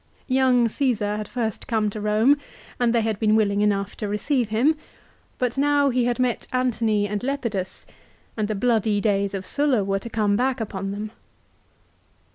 Young Caesar had first come to Home and they had been willing enough to receive him, but now he had met Antony and Lepidus, and the bloody days of Sulla were to come back upon them.